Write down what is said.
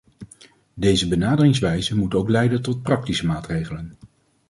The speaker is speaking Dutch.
Deze benaderingswijze moet ook leiden tot praktische maatregelen.